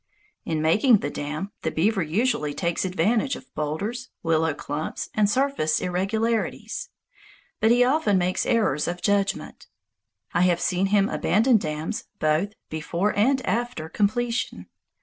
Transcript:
In making the dam, the beaver usually takes advantage of boulders, willow clumps, and surface irregularities. But he often makes errors of judgment. I have seen him abandon dams both before and after completion.